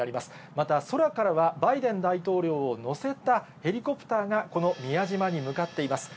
また、空からはバイデン大統領を乗せたヘリコプターが、この宮島に向かっています。